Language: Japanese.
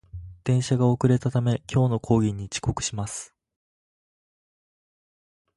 電車が遅れたため、今日の講義に遅刻します